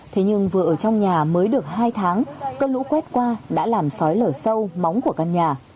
thế nhưng vừa ở trong nhà mới được hai tháng cơn lũ quét qua đã làm sói lở sâu móng của căn nhà